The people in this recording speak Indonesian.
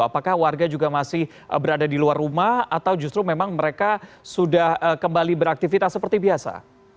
apakah warga juga masih berada di luar rumah atau justru memang mereka sudah kembali beraktivitas seperti biasa